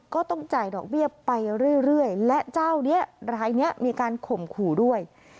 ก็ต้องจ่ายดอกเบี้ยไปเรื่อยและเจ้านี้รายนี้มีการข่มขู่ด้วย